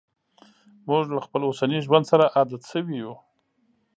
موږ له خپل اوسني ژوند سره عادت شوي یو.